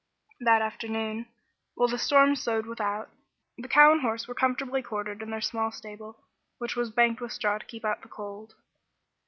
That afternoon, while the storm soughed without, the cow and horse were comfortably quartered in their small stable, which was banked with straw to keep out the cold.